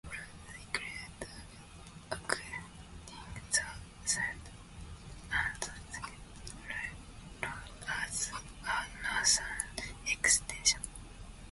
Early plans included acquiring the Saratoga and Schenectady Railroad as a northern extension.